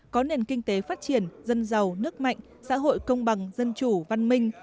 có nền kinh tế phát triển dân giàu nước mạnh xã hội công bằng dân chủ văn minh